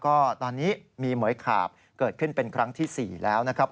ก็ตอนนี้มีเหมือยขาบเกิดขึ้นเป็นครั้งที่๔แล้วนะครับ